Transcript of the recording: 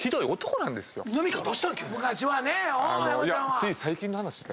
つい最近の話で。